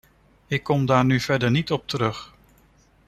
Ik kom daar nu verder niet op terug.